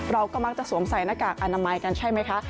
เราก็มักจะสวมใส่หน้ากากอนามัยกันใช่ไหมคะ